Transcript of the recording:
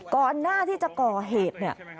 ก่อนหน้าที่จะก่อเหตุเนี่ย